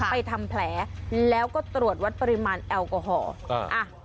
ทำแผลแล้วก็ตรวจวัดปริมาณแอลกอฮอล์อ่า